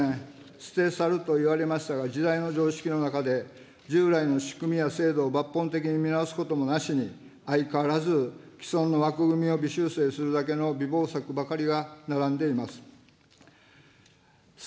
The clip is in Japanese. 捨て去ると言われましたが、時代の常識の中で、従来の仕組みや制度を抜本的に見直すこともなしに、相変わらず既存の枠組みを微修正するだけの弥縫策ばかりが並んでいます。